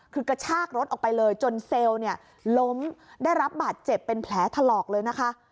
คือกระชากรถออกไปเลยจนเซลล์เนี่ยล้มได้รับบาดเจ็บเป็นแผลถลอกเลยนะคะ